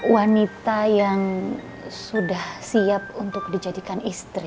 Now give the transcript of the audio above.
wanita yang sudah siap untuk dijadikan istri